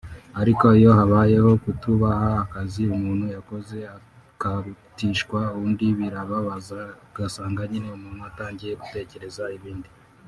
ariko iyo habayeho kutubaha akazi umuntu yakoze ukarutishwa undi birababaza ugasanga nyine umuntu atangiye gutekereza ibindi